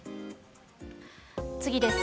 次です。